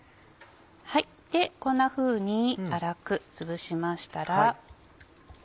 こんなふうに粗くつぶしましたら。